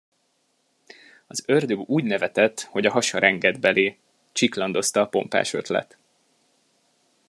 Az ördög úgy nevetett, hogy a hasa rengett belé, csiklandozta a pompás ötlet.